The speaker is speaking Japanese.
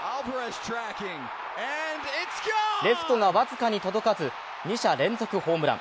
レフトが僅かに届かず２者連続ホームラン。